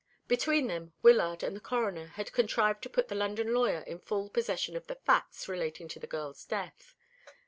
Between them Wyllard and the Coroner had contrived to put the London lawyer in full possession of the facts relating to the girl's death.